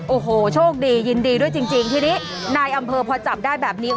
โอ้โหโชคดียินดีด้วยจริงทีนี้นายอำเภอพอจับได้แบบนี้